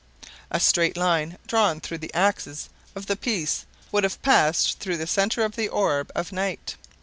A straight line drawn through the axis of the piece would have passed through the center of the orb of night.